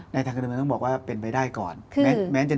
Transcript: ทางการเมืองต้องบอกว่าเป็นไปได้ก่อน